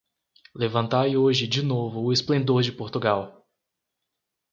Levantai hoje de novo o esplendor de Portugal!